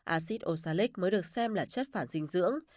acid osalic mới được xem là chất phản dinh dưỡng